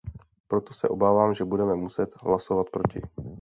Proto se obávám, že budeme muset hlasovat proti.